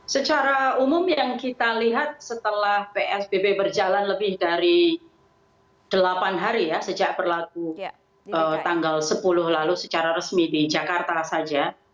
secara umum yang kita lihat setelah psbb berjalan lebih dari delapan hari ya sejak berlaku tanggal sepuluh lalu secara resmi di jakarta saja